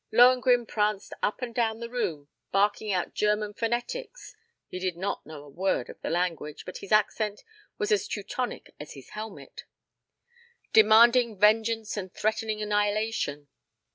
Lohengrin pranced up and down the room barking out German phonetics (he did not know a word of the language, but his accent was as Teutonic as his helmet), demanding vengeance and threatening annihilation.